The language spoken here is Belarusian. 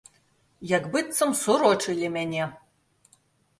Як быццам сурочылі мяне.